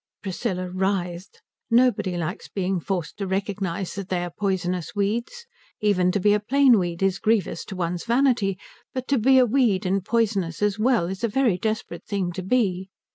Priscilla writhed. Nobody likes being forced to recognize that they are poisonous weeds. Even to be a plain weed is grievous to one's vanity, but to be a weed and poisonous as well is a very desperate thing to be.